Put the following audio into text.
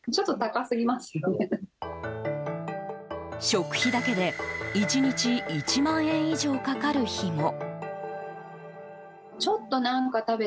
食費だけで１日１万円以上かかる日も。